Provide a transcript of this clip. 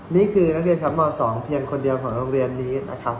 นี่คือนักเรียนชั้นม๒เพียงคนเดียวของโรงเรียนนี้นะครับ